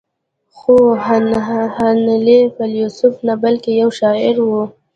خو هنلي فيلسوف نه بلکې يو شاعر و.